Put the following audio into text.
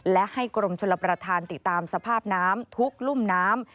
และให้กรมชลประธานติดตามสภาพน้ำทุกรุ่มน้ำ